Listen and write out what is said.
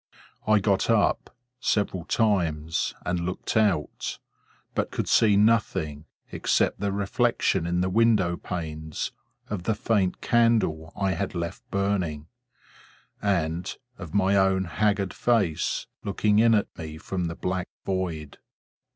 I got up, several times, and looked out; but could see nothing, except the reflection in the window panes of the faint candle I had left burning, and of my own haggard face looking in at me from the black void.